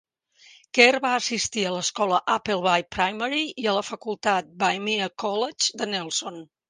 Kerr va assistir a l'escola Appleby Primary i a la facultat Waimea College de Nelson.